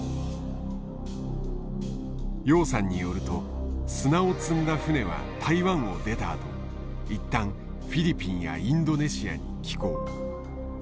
楊さんによると砂を積んだ船は台湾を出たあと一旦フィリピンやインドネシアに寄港。